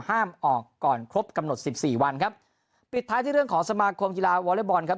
ห้ามออกก่อนครบกำหนดสิบสี่วันครับปิดท้ายที่เรื่องของสมาคมกีฬาวอเล็กบอลครับ